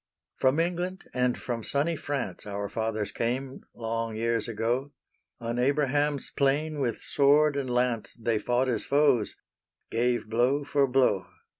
From England and from sunny France Our fathers came, long years ago; On Abraham's plain with sword and lance They fought as foes gave blow for blow.